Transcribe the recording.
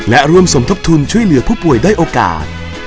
และร่วมสมทบทุนช่วยเหลือผู้ป่วยด้อยโอกาส